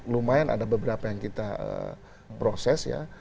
lumayan ada beberapa yang kita proses ya